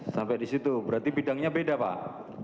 sampai di situ berarti bidangnya beda pak